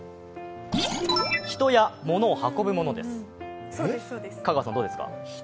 人や物を運ぶもの？